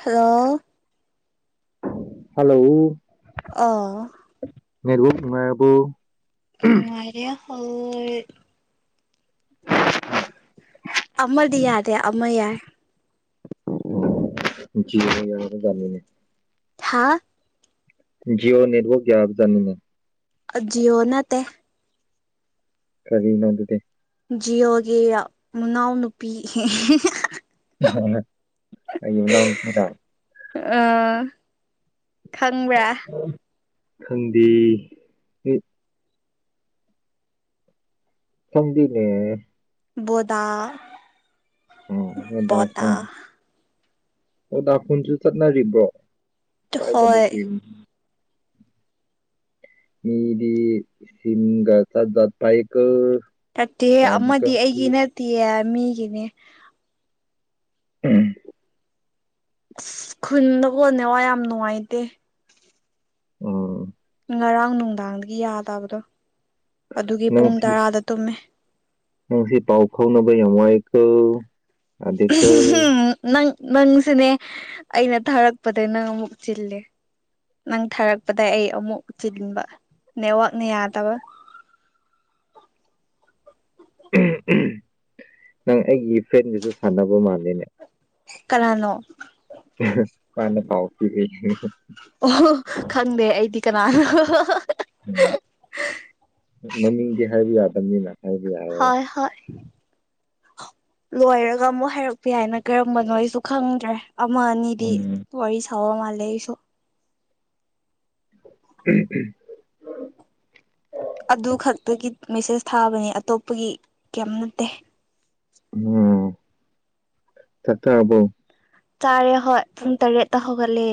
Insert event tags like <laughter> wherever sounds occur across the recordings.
Hello hello ꯑꯥ ꯃꯕꯨ ꯃꯕꯨ ꯎꯝ ꯃꯔ ꯍ <inaudible> ꯑꯃꯗꯤ ꯌꯥꯗꯦ ꯑꯃ ꯌꯥꯏ ꯃꯤꯅꯦ ꯊꯥ ꯑꯣ ꯅꯦꯠꯋꯛ ꯌꯥ ꯑꯐꯖꯅꯤꯡꯅꯦ ꯖꯤ ꯑꯣꯅꯠꯇ ꯀꯔꯤ ꯅꯣꯗꯗꯤꯦ ꯖꯤꯑꯣꯒꯤ ꯃꯅꯥꯎ ꯅꯨꯄꯤ ꯑꯟꯅꯇꯗ ꯑ ꯈꯪꯕ꯭ꯔꯥ ꯈꯪꯗꯦ ꯃꯤ ꯊꯝꯗꯤꯅꯦ ꯕꯣꯗꯥꯥ ꯑꯣ ꯍꯗ ꯐ ꯑꯣ ꯈꯨꯟꯁꯨ ꯆꯠꯅꯔꯤꯕ꯭ꯔꯣ ꯀꯥꯏꯗꯕ ꯍꯣꯏ ꯀꯨꯏꯅ ꯃꯤꯗꯤ ꯁꯤꯒꯥ ꯆ ꯠ ꯄꯥꯏ ꯆꯠꯇꯦ ꯑꯃꯗꯤ ꯑꯩꯒꯤ ꯅꯠꯇ ꯃꯤꯒꯤꯅꯦ ꯎꯝ ꯑꯁ ꯈꯨꯟꯗ ꯀꯣꯟꯅꯦ ꯋꯥ ꯌꯥꯝ ꯅꯨꯡꯉꯥꯏꯇꯦ ꯎꯝ ꯉꯔꯥꯡ ꯅꯨꯡꯗꯥꯡꯗꯒꯤ ꯌꯥꯗꯕꯗꯣ ꯑꯗꯨꯒꯤ ꯄꯨꯡ ꯅꯪꯁꯤ ꯇꯔꯥꯗ ꯇꯨꯝꯃꯦ ꯅꯪꯁꯤ ꯄꯥꯎ ꯐꯥꯎꯅꯕ ꯌꯥꯝꯡꯋꯥꯏꯀ ꯎꯝ ꯅꯪ ꯅꯪꯁꯨꯅꯦ ꯑꯩꯅ ꯊꯥꯔꯛꯄꯗꯒꯤꯩ ꯅꯪ ꯑꯃꯨꯛ ꯆꯤꯜꯂꯦ ꯅꯪ ꯊꯥꯔꯛꯄꯗ ꯑꯩ ꯑꯃꯨꯛ ꯆꯤꯟꯕ ꯅꯦꯠꯋꯥꯛꯅ ꯌꯥꯗꯕ <inaudible> ꯅꯪ ꯑꯩꯒꯤ ꯐ꯭ꯔꯦꯟꯗꯨꯁꯨ ꯁꯥꯟꯅꯕ ꯃꯥꯜꯂꯦꯅꯦ ꯀꯅꯥꯅꯣ ꯃꯥꯅꯦ ꯐꯥꯎꯁꯤ ꯍꯣꯏ ꯍ ꯎꯝ ꯃꯃꯤꯡꯗꯤ ꯍꯥꯏꯕ ꯌꯥꯗꯕꯅꯤꯅ ꯍꯥꯏ ꯍ ꯍ ꯂꯣꯏꯔꯒ ꯑꯃꯨꯛ ꯍꯥꯏꯔꯛꯄ ꯍꯥꯏꯏꯅ ꯀꯔꯝꯕꯅꯣ ꯑꯩꯁꯨ ꯈꯪꯗ꯭ꯔꯦ ꯑꯃ ꯑꯅꯤꯗꯤ ꯎꯝ ꯋꯥꯔꯤꯁ ꯊ ꯃꯥꯂꯁꯣ ꯎꯝ ꯎꯝ ꯑꯗꯨ ꯈꯛꯇꯒꯤ ꯃꯦꯁꯦꯁ ꯊꯥꯕꯅꯦ ꯑꯇꯣꯞꯄꯒꯤ ꯀꯌꯥꯝ ꯅꯠꯇꯦ ꯎ ꯆꯠꯇ ꯑꯕꯣ ꯆꯥꯔꯦ ꯍꯣꯏ ꯄꯨꯡ ꯇꯔꯦꯠ ꯇꯥ ꯍꯧꯒꯠꯂꯦ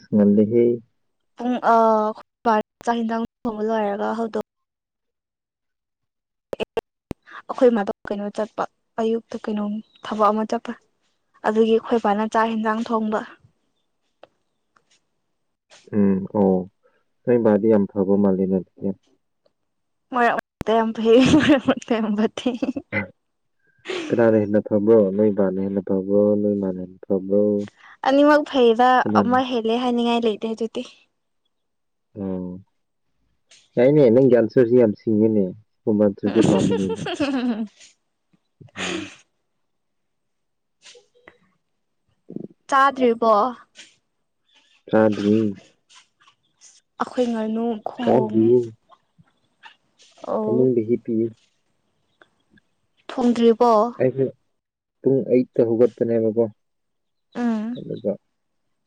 ꯁꯉꯗꯍ ꯄꯨꯡ ꯆꯥꯛ ꯍꯤꯟꯗꯥꯡ ꯐꯥꯎꯕ ꯂꯣꯏꯔꯒ ꯍꯧꯗꯣꯛ ꯑꯩꯈꯣꯏ ꯃ ꯀꯩꯅꯣ ꯆꯠꯄ ꯑꯌꯨꯛꯇ ꯀꯩꯅꯣꯝ ꯊꯕꯛ ꯑꯃ ꯆꯠꯄ ꯑꯗꯨꯒꯤ ꯑꯩꯈꯣꯏ ꯏꯕꯥꯅ ꯆꯥꯛ ꯌꯦꯟꯁꯥꯡ ꯊꯣꯡꯕ <inaudible> ꯎꯝ ꯑꯣ ꯅꯣꯏ ꯃꯥꯗꯤ ꯌꯥꯝꯝꯐꯕꯒ ꯃꯥꯜꯂꯤꯅꯗꯤꯒꯦ ꯃꯔ ꯇ ꯌꯥꯝ ꯐꯩ ꯃ ꯌꯥꯝ ꯀꯅꯥꯅ ꯍꯦꯟꯅ ꯐꯕ꯭ꯔꯣ ꯅꯣꯏ ꯃꯥꯅ ꯍꯦꯟꯅ ꯐꯕ꯭ꯔꯣ ꯅꯣꯏ ꯃꯅꯦ ꯑꯅꯤꯃꯛ ꯐꯩꯔꯥ ꯀꯅꯥꯅ ꯑꯃ ꯍꯦꯜꯂꯦ ꯍꯥꯏꯅꯤꯡꯉꯥꯏ ꯂꯩꯇꯦ ꯑꯗꯨꯗꯤ ꯑ ꯑꯅꯦꯩꯅ ꯟꯁꯁꯤ ꯌꯥꯝ ꯁꯤꯅꯦ ꯍꯨꯝ ꯃꯟꯇ꯭ꯔꯨꯁꯦ ꯄꯥꯝꯕꯅꯤꯕ ꯎꯝ ꯆꯥꯗ꯭ꯔꯤꯕꯣ ꯔꯥꯗ꯭ꯔꯤ ꯑꯩꯈꯣꯏ ꯉꯥꯅꯨ ꯈꯍꯣꯡꯉꯦ ꯇꯃꯨꯡꯗꯒꯤ ꯍ ꯄꯤ ꯊꯣꯡꯗ꯭ꯔꯤꯕꯣ ꯑꯩꯁꯨ ꯄꯨꯡ ꯑꯩꯠꯇ ꯍꯧꯒꯠꯄꯅꯦꯕꯀꯣ ꯎꯝ ꯑꯗꯨꯒ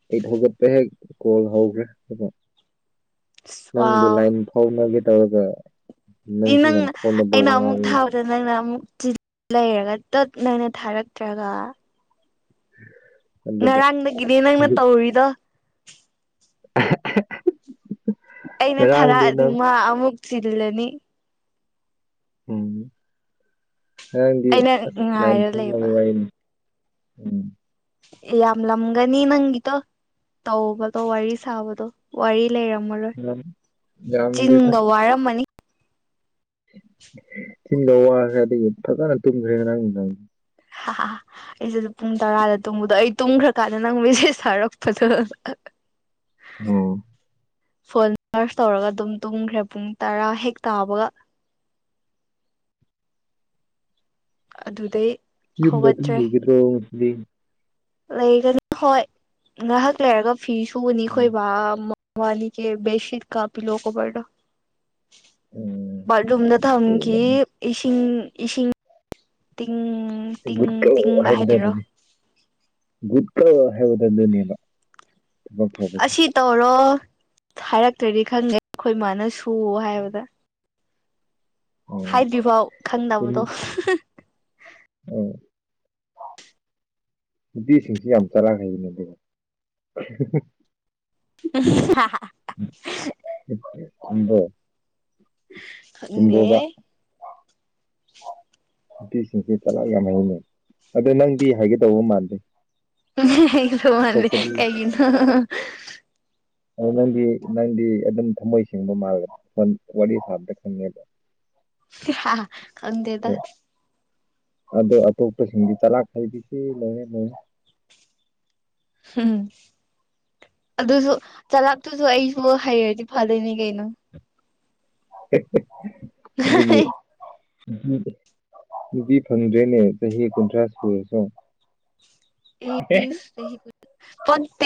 ꯑꯩ ꯊꯧꯒꯠꯄ ꯍꯦꯛ ꯀꯣꯜ ꯍꯧꯈ꯭ꯔꯦ ꯅꯪꯕꯨ ꯋꯥꯎ ꯂꯥꯏꯟ ꯐꯥꯎꯅꯒꯦ ꯇꯧꯔꯒ ꯅꯪꯁꯤ ꯅꯪ ꯌꯥꯝ ꯐꯥꯎꯅꯕ ꯑꯩꯅ ꯑꯃꯨꯛ ꯋꯥꯔꯤ ꯊꯥꯕꯗ ꯅꯪꯅ ꯑꯃꯨꯛ ꯆ ꯂꯩꯔꯒ ꯇꯛ ꯅꯥꯏꯅ ꯊꯥꯔꯛꯇ꯭ꯔꯒ ꯎꯝ ꯉꯔꯥꯡꯗꯒꯤꯅꯦ ꯅꯪꯅ ꯇꯧꯔꯤꯗꯣ <inaudible> ꯑꯩꯅ ꯉꯔꯥꯡꯗꯨ ꯊꯥꯔꯛꯑꯗꯤ ꯅꯪ ꯃꯥ ꯑꯃꯨꯛ ꯆꯤꯜꯂꯅꯤ ꯎꯝ ꯉꯉꯥꯡꯗꯤ ꯑꯩꯅ ꯑꯁ ꯂꯥꯏꯟ ꯉꯥꯏꯔ ꯊ ꯂꯩꯕ ꯋꯥꯔꯤꯅꯤ ꯎꯝ ꯌꯥꯝ ꯂꯝꯒꯅꯤ ꯅꯪꯒꯤꯗꯣ ꯇꯧꯕꯗꯣ ꯋꯥꯔꯤ ꯁꯥꯕꯗꯣ ꯋꯥꯔꯤ ꯂꯩꯔꯝꯃꯔꯣꯏ ꯌꯥꯝ ꯆꯤꯟꯒ ꯋꯥꯔꯝꯃꯅꯤ ꯆꯤꯡꯗ ꯋꯥꯈ꯭ꯔꯦ ꯑꯗꯒꯤ ꯐꯖꯅ ꯇꯨꯝꯈ꯭ꯔꯦꯅ ꯅꯪ ꯅꯪ ꯍꯥ ꯑꯩꯁꯨꯦ ꯑꯗꯨ ꯄꯨꯡ ꯇꯔꯥꯗ ꯇꯨꯝꯕꯗꯣ ꯑꯩ ꯇꯨꯝꯈ꯭ꯔꯀꯥꯟꯗ ꯅꯪ ꯃꯦꯖꯦꯖ ꯊꯥꯔꯛꯄꯗꯣ ꯑꯣ ꯐꯣꯟ ꯁꯥꯔꯁ ꯇꯧꯔꯒ ꯑꯗꯨꯝ ꯇꯨꯝꯈ꯭ꯔꯦ ꯄꯨꯡ ꯇꯔꯥ ꯍꯦꯛ ꯇꯥꯕꯒ <inaudible> ꯑꯗꯨꯗꯩ ꯌ ꯍꯧꯒꯠꯇ꯭ꯔꯦ ꯑꯗꯨꯒ꯭ꯔꯣꯂꯤ ꯂꯩꯒꯅꯤ ꯍꯣꯏ ꯉꯥꯏꯍꯥꯛ ꯂꯩꯔꯒ ꯐꯤ ꯁꯨꯕꯅꯤ ꯎꯝ ꯈꯈꯣꯏꯕ ꯋꯥꯅꯤ ꯀ ꯦꯁꯠꯀꯥꯕꯂꯣ ꯀ ꯄꯔꯗꯥꯥ ꯎꯝ ꯕꯥꯠꯔꯨꯝꯗ ꯊꯝꯈꯤ ꯒꯨꯗ ꯏꯁꯤꯡ ꯏꯁꯤꯡ ꯇꯤꯡ ꯇꯤꯡ ꯨ ꯇꯤꯡꯕ ꯍꯥꯏꯕ ꯍꯥꯏꯗꯣꯏꯔꯣ ꯑꯗꯨꯅꯤ <unintelligible> ꯑꯣ ꯍꯗ ꯑꯗꯨꯣ ꯅꯅ <unintelligible> ꯑꯁꯤ ꯇꯧꯔꯣ ꯍꯥꯏꯔꯛꯇ꯭ꯔꯗꯤ ꯈꯪꯗꯦ ꯑꯩꯈꯣꯏ ꯃꯥꯅ ꯁꯨ ꯍꯥꯏꯕꯗ ꯑꯣ ꯍꯥꯏꯗ꯭ꯔꯤꯐꯥꯎ ꯈꯪꯗꯅꯕꯗꯣ ꯎꯝ ꯅꯨꯄꯤꯁꯤꯡꯁꯤ ꯌꯥꯝ ꯆꯔꯥꯈ꯭ꯔꯕꯅꯦ ꯑꯗꯨꯒ <inaudible> ꯑꯝꯕꯣ ꯈꯥꯡꯗꯦꯍꯦ ꯅꯨꯄꯤꯁꯤꯡꯁꯦ ꯆꯔꯥꯛ ꯌꯥꯡꯈꯩꯅꯦ ꯑꯗ ꯅꯪꯗꯤ ꯍꯥꯏꯒꯗꯧꯕ ꯃꯥꯟꯗꯦ ꯃꯥ ꯑꯇꯣꯞꯄꯗꯤ ꯀꯒꯤꯅ <unintelligible> ꯑ ꯅꯪꯗꯤ ꯅꯪꯗꯤ ꯑꯗꯨꯝ ꯊꯝꯃꯣꯏ ꯁꯦꯡꯕ ꯃꯥꯜꯂ ꯋꯥꯔꯤ ꯁꯥꯕꯗ ꯈꯪꯉꯦꯕ ꯈꯗꯦꯗ ꯑꯗꯣ ꯑꯗꯣ ꯑꯇꯣꯞꯄꯁꯤꯡꯗꯤ ꯇꯔꯥꯈꯩꯗꯤ ꯁꯤ ꯂꯣꯏꯔꯦ ꯂꯣꯏꯔꯦ ꯎꯝ ꯑꯗꯨꯁꯨ ꯆꯂꯥꯞꯇꯨꯁꯨ ꯑꯩꯁꯨ ꯍꯩꯔꯗꯤ ꯐꯗꯣꯏꯅꯦ ꯀꯩꯅꯣ ꯑꯗꯨꯗꯒꯤ ꯑꯗꯨꯗꯤ ꯐꯪꯗ꯭ꯔꯦꯅꯦ ꯆꯍꯤ ꯀꯨꯟꯊ꯭ꯔꯥ ꯁꯨꯔꯁꯣ ꯠꯇ <unintelligible>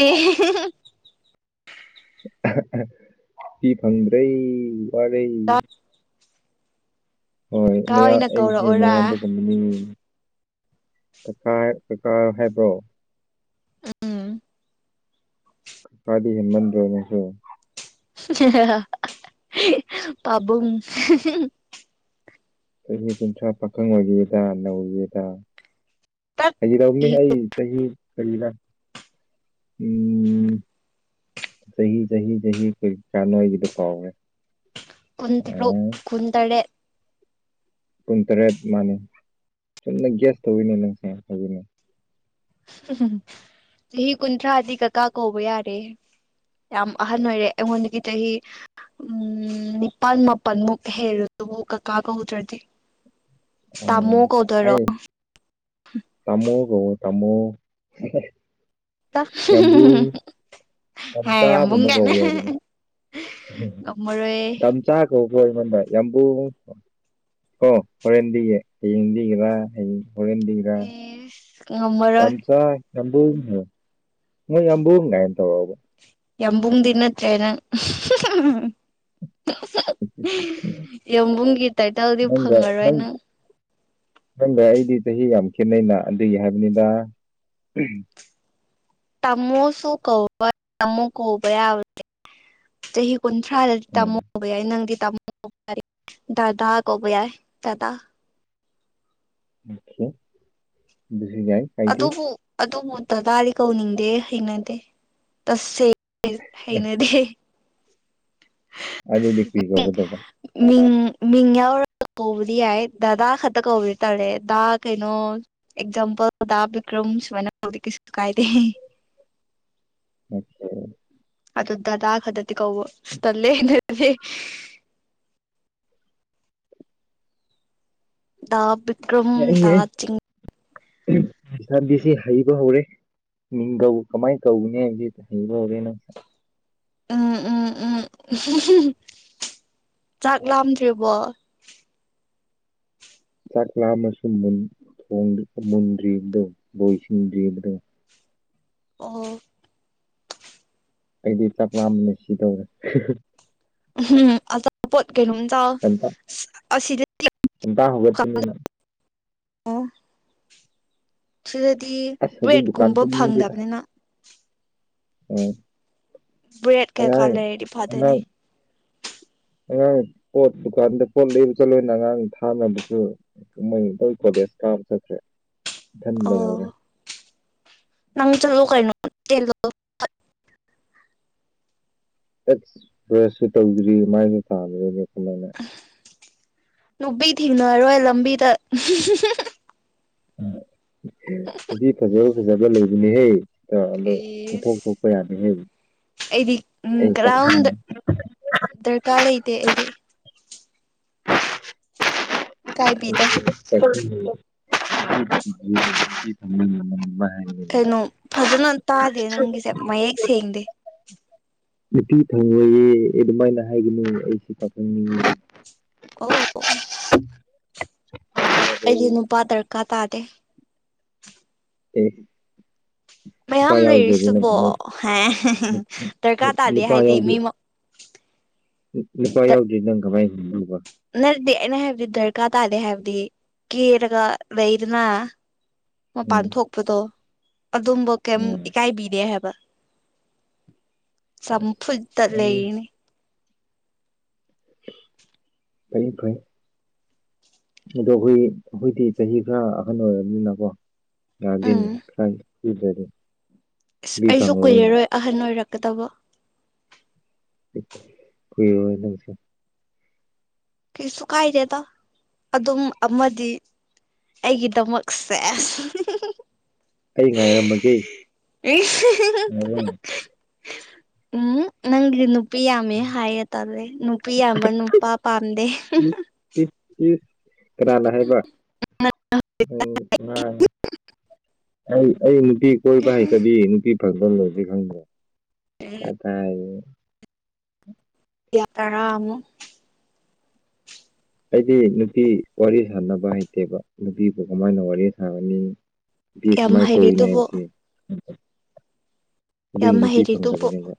ꯐꯤ ꯐꯪꯗ꯭ꯔꯦ ꯋꯥꯔꯩ ꯀꯥ ꯍꯣꯏ ꯀꯥ ꯑꯣꯏꯅ ꯑꯩꯁꯦ ꯀꯧꯔꯛꯑꯣꯔꯥ ꯑꯌꯥꯝꯕ ꯉꯝꯅꯤꯡꯉꯤ ꯀꯀꯥ ꯀꯀꯥ ꯍꯥꯏꯕ꯭ꯔꯣ ꯎꯝ ꯀꯥꯗꯤ ꯍꯦꯃꯟꯗ꯭ꯔꯅꯤꯁꯨ ꯄꯥꯕꯨꯡ ꯆꯍꯤ ꯀꯨꯟꯊ꯭ꯔꯥ ꯄꯥꯈꯪ ꯑꯣꯏꯒꯦꯗ ꯅꯧꯒꯦꯗ ꯇꯠ ꯆꯍꯤꯗꯃꯤ ꯍꯥꯏ ꯆꯍꯤ ꯀꯅ ꯎꯝ ꯆꯍꯤꯍꯤ ꯆꯍꯤꯍꯤ ꯆꯍꯤ ꯀ ꯆꯅꯅꯨꯡꯋꯥꯏꯒꯤꯗꯨꯀꯦ ꯀꯨꯟꯊꯔꯨ ꯀꯨꯟꯗꯔꯦ ꯀꯨꯟ ꯇꯔꯦꯠ ꯃꯥꯅꯤ ꯆꯨꯝꯅ ꯒ꯭ꯌꯥꯁ ꯇꯧꯅꯦ ꯅꯪꯁꯦ ꯍꯥꯏꯅꯦ ꯆꯍꯤ ꯀꯨꯟꯊ꯭ꯔꯥꯗꯤ ꯀꯀꯥ ꯀꯧꯕ ꯌꯥꯔꯦ ꯌꯥꯝ ꯑꯍꯟ ꯑꯣꯏꯔꯦ ꯑꯩꯉꯣꯟꯗꯒꯤ ꯆꯍꯤ ꯎꯝ ꯅꯤꯄꯥꯜ ꯃꯥꯄꯜꯃꯨꯛ ꯍꯦꯜꯔ ꯑꯗꯨꯕꯨ ꯀꯀꯥ ꯀꯧꯍꯧꯗ꯭ꯔꯗꯤ ꯑ ꯑꯩ ꯇꯃꯒ ꯊꯃꯣ <inaudible> ꯇꯝꯆꯥꯕꯨꯝ ꯌꯥꯝꯕꯨꯡ ꯑꯃ ꯀꯥꯏꯅ ꯀꯧꯕ ꯌꯥꯏꯗꯅ ꯉꯝꯃꯔꯣꯏ ꯎ ꯇꯆꯥ ꯑꯣ ꯍꯣꯏ ꯑꯩꯉꯣꯟꯗ ꯌꯥꯝꯕꯨ ꯑꯣ ꯍꯣꯔꯦꯟꯗꯤꯒ ꯍꯌꯦꯡ ꯂꯤꯒꯔꯥ ꯍꯌꯦꯡ ꯍꯔꯗꯤꯒꯔ ꯉꯝꯃꯥꯔ ꯌꯥꯝꯕꯣ ꯃꯣꯏ ꯌꯥꯝꯕꯣ ꯀꯥꯏꯅ ꯇꯧꯔꯛꯕ ꯌꯥꯝꯕꯨꯡ ꯇꯟꯅ ꯇ꯭ꯔꯦꯅ ꯌꯕꯨꯝꯒꯤ ꯇꯥꯏꯇꯜꯗꯤ ꯐꯪꯉꯔꯣꯏ ꯅꯪ ꯅꯪꯗ ꯑꯩꯗꯤ ꯆꯍꯤ ꯌꯥꯝ ꯈꯦꯠꯅꯩꯅ ꯑꯗꯨꯒꯤ ꯍꯥꯏꯕꯅꯤꯗ ꯇꯃꯣ ꯁꯨ ꯀꯧꯕ ꯇꯃꯣ ꯀꯕꯔ ꯀꯨꯟꯊ꯭ꯔꯥꯗꯗꯤ ꯎꯝ ꯇꯥꯃꯨꯕ ꯌꯥꯏ ꯅꯪꯗꯤ ꯗꯗꯥ ꯀꯧꯕꯣꯕ ꯌꯥꯔ ꯗꯗꯥ ꯑꯦ ꯑꯗꯨꯕꯨ ꯑꯗꯨꯕꯨ ꯇꯗꯥꯗꯤ ꯀꯧꯅꯤꯡꯗꯦ ꯍꯩꯅꯗꯦ ꯇꯁꯁꯦ ꯍꯩꯅꯗꯦ ꯑꯗ ꯔꯤꯖꯕꯨꯗꯕ ꯃꯤꯉꯔ ꯀꯧꯕꯣ꯭ꯔꯤ ꯍꯥꯏ ꯗꯗꯥꯗꯥ ꯈꯛꯇ ꯀꯧꯕ꯭ꯔꯤ ꯇꯥꯔꯦ ꯗꯗꯥ ꯀꯩꯅꯣ ꯑꯦꯛꯖꯥꯝꯄꯜꯗꯥꯕꯤ꯭ꯔ ꯗꯤ ꯀꯁꯨ ꯀꯥꯏꯗꯦ ꯑꯦ ꯑꯗꯨꯗꯥ ꯈꯗ ꯇ ꯀ ꯇꯂꯦ ꯗꯥ ꯕꯔ꯭ꯤꯀꯔꯝ ꯇꯗꯥ ꯆ ꯏꯁꯥꯕꯤꯁꯤ ꯍꯩꯕ ꯍꯧꯔꯦ ꯃꯤ ꯀꯃꯥꯏ ꯀꯧꯅꯦ ꯍꯥꯏꯦꯅ ꯎꯝ ꯎꯝ ꯎꯝ ꯆꯥꯛ ꯂꯥꯝꯗ꯭ꯔꯤꯕꯣ ꯆꯥꯛꯂꯥ ꯑꯃꯁꯨ ꯃꯨꯟꯗ꯭ꯔꯤꯕꯗꯣ ꯕꯣꯏꯁꯤꯡꯗ꯭ꯔꯤꯕꯗꯣ <inaudible> ꯑꯣ ꯑꯩꯗꯤ ꯆꯞ ꯂꯥꯝꯕꯅꯦ ꯁꯤ ꯇꯧꯔꯦ ꯎꯝ ꯑ ꯆ ꯄꯣꯠ ꯀꯔꯨ ꯆ ꯑꯁꯤꯗꯤ ꯑꯦꯇꯥ ꯍꯒꯇꯤꯟꯅꯤꯅꯤ ꯅ ꯑꯣ ꯁꯤ ꯗꯤ ꯑꯁ ꯍꯧꯖꯤꯛ ꯗꯨꯀꯥꯟ ꯕ꯭ꯔꯦꯗꯀꯨꯝꯕ ꯊꯣꯛꯅꯤꯡꯗꯦꯗ ꯐꯪꯗꯕꯅꯤꯅ ꯎꯝ ꯕꯔꯦꯠ ꯀꯩꯀꯥ ꯑꯉꯥꯡ ꯂꯩꯔꯦꯗꯤ ꯐꯥꯗꯅꯦ ꯑꯉꯥꯡ ꯑꯉꯥꯡ ꯄꯣꯠ ꯗꯨꯀꯥꯟꯗ ꯄꯣꯠ ꯂꯩꯕ ꯆ ꯂꯣꯏꯅ ꯑꯉꯥꯡ ꯊꯥꯅꯕꯁꯨ ꯀꯨꯝꯍꯩ ꯀꯣꯖ ꯆꯠꯈ꯭ꯔꯦ ꯏꯊꯟ ꯂꯩꯍꯧꯔꯦ ꯅꯪꯃꯤ ꯆ ꯂꯣ ꯀꯥꯏꯅ ꯑꯦ ꯔꯦꯁꯁꯨ ꯇꯧꯗ꯭ꯔꯤ ꯃꯥꯏꯁꯨ ꯊꯥꯗ꯭ꯔꯅꯦ ꯈꯨꯅ ꯅꯨꯄꯤ ꯊꯦꯡꯅꯔꯣꯏ ꯂꯝꯕꯤꯗ ꯑꯗꯨꯗꯤ ꯐꯖꯕ ꯐꯖꯕ ꯂꯩꯕꯅꯤꯍꯦ ꯗ ꯀꯣꯊꯣꯛ ꯊꯣꯛꯄ ꯏꯁ ꯌꯥꯅꯤ ꯍꯦ ꯑꯩꯗꯤ ꯀꯔ ꯗꯔꯀꯥꯔ ꯂꯩꯇꯦ ꯑꯩꯗꯤ ꯀꯥꯏꯕꯤꯗꯦ <inaudible> ꯀꯩꯅꯣ ꯐꯖꯅ ꯇꯥꯗꯦ ꯅꯪꯒꯤꯁꯦ ꯃꯌꯦꯛ ꯁꯦꯡꯗꯦ ꯅꯨꯄꯤ ꯊꯪꯉꯣꯏꯌꯦ ꯑꯗꯨꯃꯥꯏꯅ ꯍꯥꯏꯒꯅꯤꯨ ꯑꯩꯁꯤ ꯄꯥꯈꯪꯅꯤꯡꯉꯤ ꯑꯣ ꯑꯦ ꯑꯩꯗꯤ ꯅꯨꯄꯥ ꯗꯔꯀꯥꯔ ꯇꯥꯗꯦ ꯑꯦ ꯃꯌꯥꯝ ꯂꯩꯔꯤꯁꯤꯕꯣ ꯗꯔꯀꯥꯔ ꯇꯥꯔꯗꯦ ꯅꯨꯄꯥ ꯍꯥꯏꯗꯤ ꯃꯤ ꯌꯥꯎꯗꯦ ꯅꯨꯄꯥ ꯌꯥꯎꯖꯤ ꯅꯪ ꯀꯃꯥꯏ ꯅꯠꯇꯗꯤ ꯑꯩꯅ ꯍꯥꯏꯕꯗꯤ ꯗꯔꯀꯥꯔ ꯇꯥꯗꯦ ꯍꯥꯏꯕꯗꯤ ꯀꯤꯔꯒ ꯂꯩꯩꯔꯅ ꯃꯄꯥꯟ ꯎꯝ ꯊꯣꯛꯄꯗꯣ ꯑꯗꯨꯝꯕ ꯀꯩꯝ ꯎꯝ ꯏꯀꯥꯏꯕꯤꯔꯦ ꯍꯥꯏꯕ ꯆꯐꯨꯠꯇ ꯂꯩꯌꯦꯅꯦ ꯐꯩ ꯐꯩ ꯑꯗꯣ ꯑꯈꯣꯏꯒꯤ ꯑꯩꯈꯣꯏꯗꯤ ꯆꯍꯤ ꯈꯔ ꯑꯍꯟ ꯑꯣꯏꯔꯕꯅꯤꯅꯀꯣ ꯌꯗꯦꯅꯦ ꯎꯝ ꯈꯔꯥ ꯊꯤꯗꯔꯗꯤ ꯑꯁ ꯑꯩꯁꯨ ꯀꯨꯏꯔꯔꯣꯏ ꯑꯍꯟ ꯑꯣꯏꯔꯛꯀꯗꯕ ꯀꯨꯏꯔꯔꯣꯏ ꯅꯪꯁꯨ꯫ ꯀꯩꯁꯨ ꯀꯥꯏꯗꯦꯗ ꯑꯗꯨꯝ ꯑꯃꯗꯤ꯫ ꯑꯩꯒꯤꯗꯃꯛ ꯁꯦꯁ꯫꯫ ꯑꯩ ꯉꯥꯏꯔꯝꯃꯒꯦ ꯉꯥꯏꯔꯝ <unintelligible> ꯎꯝ ꯅꯪꯒꯤꯗꯤ ꯅꯨꯄꯤ ꯌꯥꯃꯦ ꯍꯥꯏꯌꯦ ꯇꯂꯦ ꯅꯨꯄꯤ ꯌꯥꯝꯕ ꯅꯨꯄꯥ ꯄꯥꯥꯝ <unintelligible> ꯀꯅꯥꯅ ꯍꯥꯏꯕ꯫ <unintelligible> ꯑꯩ ꯑꯩ ꯅꯨꯄꯤ ꯀꯣꯏꯕ ꯍꯩꯇꯕꯤ ꯅꯨꯄꯤ ꯐꯪꯗ ꯂꯩꯔꯤ ꯈꯪꯗ꯭ꯔꯣ꯫ ꯀꯗꯥꯏꯗꯒꯤ꯫ ꯌꯥ ꯇꯔꯥ ꯑꯃꯨꯛ꯫ ꯑꯩꯗꯤ ꯅꯨꯄꯤ ꯋꯥꯔꯤ ꯁꯅꯕ ꯍꯩꯇꯦꯕ ꯅꯨꯄꯤꯕꯨ ꯀꯃꯥꯏꯅ ꯋꯥꯔꯤ ꯁꯥꯒꯅꯤ꯫ ꯅꯨꯄꯤ ꯌꯥꯝ ꯀꯃꯥꯥꯏ ꯀꯣꯏꯒꯅꯤ ꯍꯩꯔꯤꯗꯨꯕꯨ ꯍꯥꯏꯕꯁꯤ꯫ ꯑꯗꯨꯒꯤ ꯌꯥꯝ ꯅꯨꯄꯤ ꯍꯩꯔꯤꯗꯨꯕꯨ꯫ ꯐꯪꯗꯕꯅꯦꯕ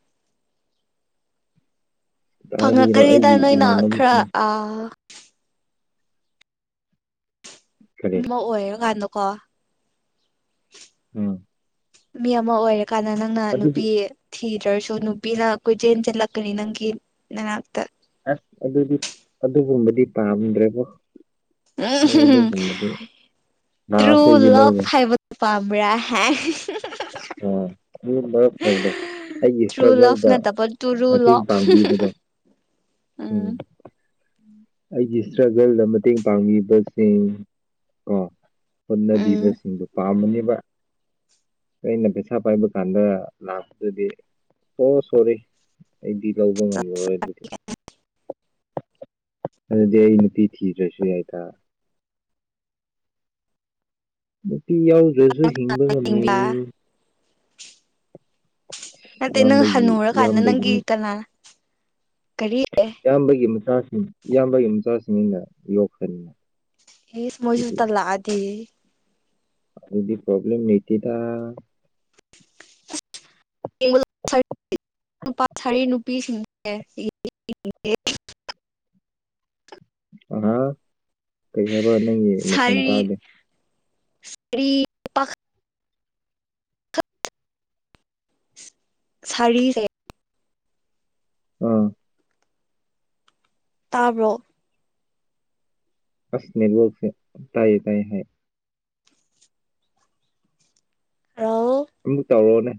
ꯍꯥꯏꯗꯤꯔꯣ ꯐꯪꯉꯛꯀꯅꯤꯗ ꯑꯩꯒꯤ ꯅꯣꯏꯅ ꯈꯔ ꯏꯃꯥꯟꯅꯕꯤꯁꯤꯡ ꯑ꯫ ꯀꯔꯤ ꯑꯃ ꯑꯣꯏꯔꯀꯥꯟꯗꯀꯣ꯫ ꯎꯝ ꯃꯤ ꯑꯃ ꯑꯣꯏꯔꯀꯥꯟꯗ ꯅꯪꯅ ꯑꯗꯨꯗꯤ ꯅꯨꯄꯤ ꯊꯤ ꯊꯤꯗꯔꯁꯨ ꯅꯨꯄꯤꯅ ꯀꯣꯏꯆꯦꯟ ꯆꯦꯟꯂꯛꯀꯅꯤ ꯅꯪꯒꯤ ꯅꯅꯥꯛꯇ꯫ ꯑꯁ ꯑꯗꯨꯗꯤ ꯑꯗꯨꯒꯨꯝꯕꯗꯤ ꯄꯥꯝꯗ꯭ꯔꯦꯕꯣ꯫ ꯑꯩ ꯎꯝ ꯑꯗꯨꯒꯨꯝꯕꯗꯤ ꯇ꯭ꯔꯨ ꯂꯥꯁ ꯑꯩꯒꯤ ꯂꯥꯕ ꯂꯧꯒꯦ ꯍꯥꯏꯕ ꯄꯝꯕ꯭ꯔꯥ ꯍꯥꯏ꯫ ꯃꯔꯝ ꯑꯣꯏꯕꯗꯣ ꯑꯩꯒꯤ ꯇ꯭ꯔꯨ ꯂꯞ ꯏꯁꯇ꯭ꯔꯒꯜꯗ꯫ ꯅꯠꯇꯕ ꯇꯨꯔꯨ ꯃꯇꯦꯡ ꯂꯞ ꯄꯥꯡꯕꯤꯕꯗꯣ ꯎꯝ꯫ ꯑꯩꯒꯤ ꯏꯁꯇ꯭ꯔꯒꯜꯗ ꯃꯇꯦꯡ ꯄꯥꯡꯕꯤꯕꯁꯤꯡ ꯀꯣ꯫ ꯎꯝ ꯍꯣꯠꯅꯕꯤꯕꯁꯤꯡꯗꯨ ꯄꯥꯝꯕꯅꯦꯕ꯫ ꯑꯩꯅ ꯄꯩꯁꯥ ꯄꯥꯏꯕ ꯀꯥꯟꯗ ꯂꯥꯛꯄꯗꯨꯗꯤ ꯑꯣ ꯁꯣꯔꯤ꯫ ꯑꯩꯗꯤ ꯂꯧꯕ ꯉꯝꯂꯔꯣꯏ ꯑꯗꯨꯗꯤ꯫ ꯑꯗꯨꯗꯤ ꯑꯩ ꯅꯨꯄꯤ ꯊꯤꯗ꯭ꯔꯁꯨ ꯌꯥꯏꯗ꯫ ꯅꯨꯄꯤ ꯌꯥꯎꯗ꯭ꯔꯁꯨ ꯍꯤꯡꯕ ꯉꯝꯃꯤ꯫ ꯌꯦꯡꯕ ꯅꯠꯇꯦ ꯅꯪ ꯌꯥꯝꯕꯒꯤ ꯍꯟꯅꯨꯔꯀꯥꯟꯗ ꯅꯪꯒꯤ ꯌꯥꯝꯕꯒꯤꯅꯤ꯫ ꯀꯅꯥ ꯀꯔꯤ ꯏꯌꯥꯝꯕꯒꯤ ꯃꯆꯥꯁꯤꯡ ꯏꯌꯥꯝꯕꯒꯤ ꯃꯆꯥꯁꯤꯡ ꯑꯣꯏꯅ ꯌꯣꯛꯈꯔꯅꯤ꯫ ꯑꯦ ꯃꯣꯏꯁꯨ ꯇꯥꯟꯂꯛ ꯑꯗꯤ꯫ ꯑꯗꯨꯗꯤ ꯄꯣꯔꯕꯂꯦꯝ ꯃꯇꯦꯗ꯫ <inaudible> ꯅꯨꯄꯥꯁꯔꯤ ꯅꯨꯄꯤꯁꯤꯡꯖꯦ꯫ <inaudible> ꯍꯥ ꯀꯩꯍꯥꯏꯕ ꯅꯪꯒꯤ ꯃꯈꯣꯜ ꯇꯗꯦ꯫ ꯁꯔꯤ ꯄꯈꯪ ꯁꯔꯤꯁꯦ꯫ ꯑꯥ꯫ ꯇꯥꯕ꯭ꯔꯣ꯫ ꯑꯁ ꯅꯦꯠ ꯋꯥꯛꯁꯦ ꯇꯥꯏꯌꯦ ꯇꯥꯏꯌꯦ ꯍꯥꯏꯔꯣꯛ꯫ ꯍꯜꯂꯣ ꯑꯃꯨꯛ ꯇꯧꯔꯛꯑꯣꯅꯦ꯫